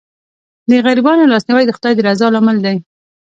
د غریبانو لاسنیوی د خدای د رضا لامل دی.